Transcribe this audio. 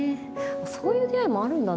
そういう出会いもあるんだな。